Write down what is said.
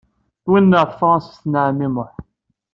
Twenneɛ tefransist n ɛemmi Muḥ.